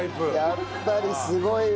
やっぱりすごいわ。